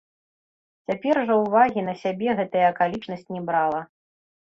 Цяпер жа ўвагі на сябе гэтая акалічнасць не брала.